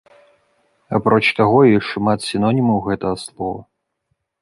Апроч таго, ёсць шмат сінонімаў гэтага слова.